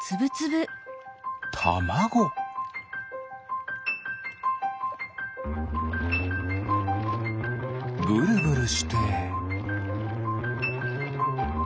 ブルブルして。